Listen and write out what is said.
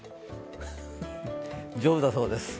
上手だそうです。